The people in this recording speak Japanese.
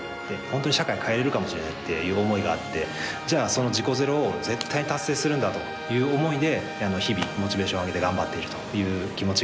本当に社会変えれるかもしれないっていう思いがあってじゃあその事故ゼロを絶対達成するんだという思いで日々モチベーションを上げて頑張っているという気持ちがあります。